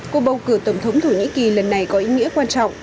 cuộc bầu cử tổng thống thổ nhĩ kỳ lần này có ý nghĩa quan trọng